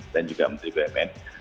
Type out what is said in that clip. dan juga menteri bumn